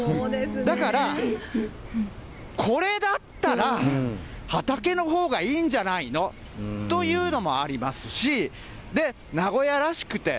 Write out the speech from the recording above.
だから、これだったら、畑のほうがいいんじゃないの、というのもありますし、名古屋らしくて、